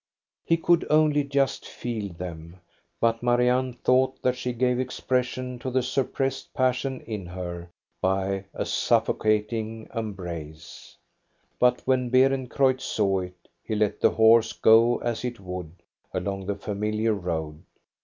He could only just feel them, but Marianne thought that she gave expression to the suppressed passion in her by a suffocating embrace. But when Beerencreutz saw it he let the horse go as it would along the familiar road.